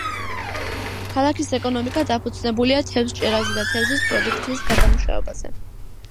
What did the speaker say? ქალაქის ეკონომიკა დაფუძნებულია თევზჭერაზე და თევზის პროდუქციის გადამუშავებაზე.